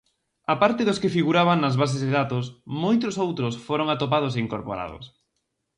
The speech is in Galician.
Á parte dos que figuraban nas bases de datos, moitos outros foron atopados e incorporados.